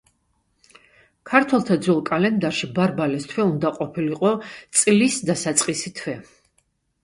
ქართველთა ძველ კალენდარში ბარბალეს თვე უნდა ყოფილიყო წლის დასაწყისი თვე.